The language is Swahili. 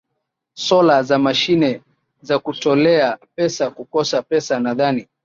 solar za mashine za kutolea pesa kukosa pesa nadhani